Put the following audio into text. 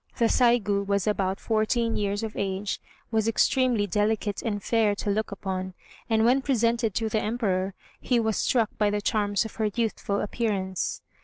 The Saigû was about fourteen years of age, was extremely delicate and fair to look upon, and when presented to the Emperor he was struck by the charms of her youthful appearance.